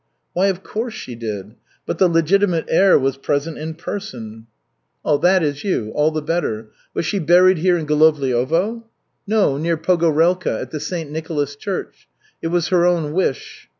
"Why, of course, she did. But the legitimate heir was present in person." "That is you. All the better. Was she buried here in Golovliovo?" "No, near Pogorelka, at the St. Nicholas Church. It was her own wish."